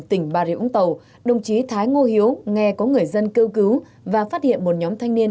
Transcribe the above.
tỉnh bà rịa vũng tàu đồng chí thái ngô hiếu nghe có người dân kêu cứu và phát hiện một nhóm thanh niên